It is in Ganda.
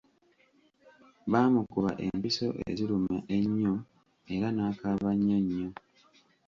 Baamukuba empiso eziruma ennyo era n’akaaba nnyo nnyo.